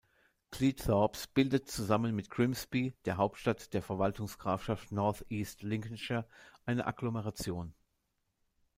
Cleethorpes bildet zusammen mit Grimsby, der Hauptstadt der Verwaltungsgrafschaft North East Lincolnshire, eine Agglomeration.